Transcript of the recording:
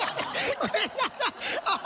ごめんなさい！